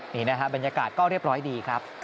นี่นะครับบรรยากาศก็เรียบร้อยดีครับ